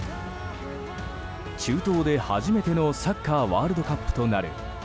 中東で初めてのサッカーワールドカップとなるＦＩＦＡ